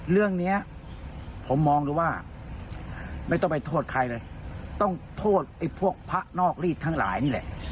เรื่องนี้ผมมองดูว่าไม่ต้องไปโทษใครเลยต้องโทษไอ้พวกพระนอกรีดทั้งหลายนี่แหละ